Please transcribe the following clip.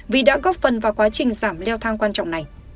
vì đã góp phần vào quá trình giảm leo thang quan trọng này